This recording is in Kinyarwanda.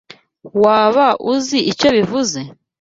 Waba uzi icyo bivuze?